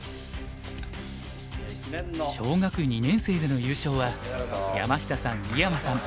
小学２年生での優勝は山下さん井山さん